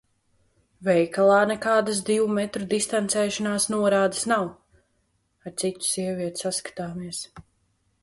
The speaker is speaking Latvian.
Veikalā nekādas divu metru distancēšanās norādes nav, ar citu sievieti saskatāmies.